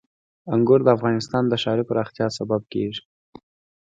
انګور د افغانستان د ښاري پراختیا سبب کېږي.